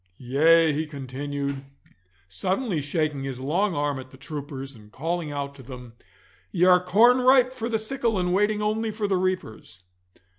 Yea,' he continued, suddenly shaking his long arm at the troopers, and calling out to them, 'ye are corn ripe for the sickle and waiting only for the reapers!